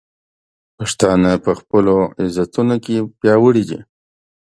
پښتانه په خپلو عزتونو کې پیاوړي دي.